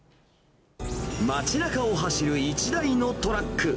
街なかを走る１台のトラック。